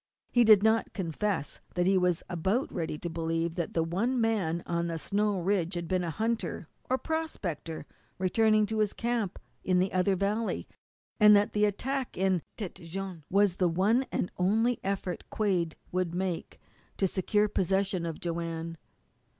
He did not confess that he was about ready to believe that the man on the snow ridge had been a hunter or a prospector returning to his camp in the other valley, and that the attack in Tête Jaune was the one and only effort Quade would make to secure possession of Joanne.